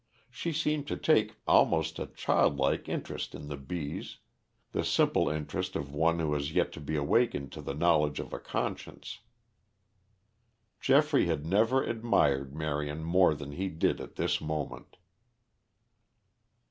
She seemed to take almost a childlike interest in the bees, the simple interest of one who has yet to be awakened to the knowledge of a conscience. Geoffrey had never admired Marion more than he did at this moment.